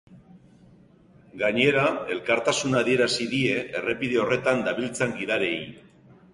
Gainera, elkartasuna adierazi die errepide horretan dabiltzan gidariei.